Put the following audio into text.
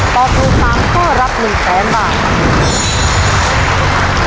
ตอบถูก๓ข้อรับ๑๐๐๐๐บาท